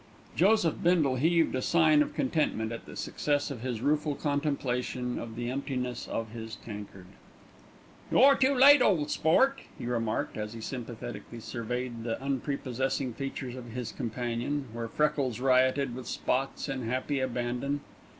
Joseph Bindle heaved a sign of contentment at the success of his rueful contemplation of the emptiness of his tankard. "You're too late, ole sport," he remarked, as he sympathetically surveyed the unprepossessing features of his companion, where freckles rioted with spots in happy abandon.